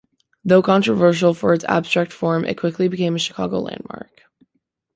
Though controversial for its abstract form, it quickly became a Chicago landmark.